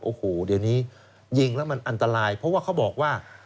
โอ้โหเดี๋ยวนี้ยิงแล้วมันอันตรายเพราะว่าเขาบอกว่า